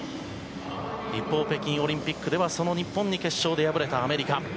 一方、北京オリンピックではその日本に決勝で敗れたアメリカ。